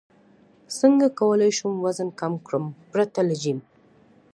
څنګه کولی شم وزن کم کړم پرته له جیم